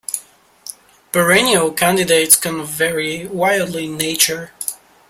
Perennial candidates can vary widely in nature.